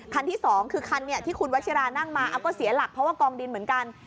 ที่สองคือคันที่คุณวัชิรานั่งมาก็เสียหลักเพราะว่ากองดินเหมือนกัน